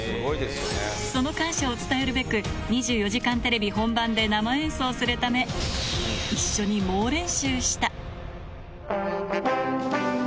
その感謝を伝えるべく、２４時間テレビ本番で生演奏するため、一緒に猛練習した。